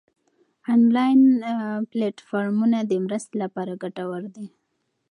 انلاین پلیټ فارمونه د مرستې لپاره ګټور دي.